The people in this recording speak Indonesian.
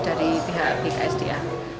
dengan pihak bksda